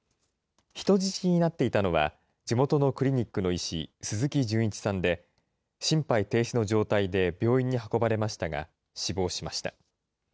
人質になっていたのは、地元のクリニックの医師、鈴木純一さんで、心肺停止の状態で病院に運ばれましたが、死亡しました。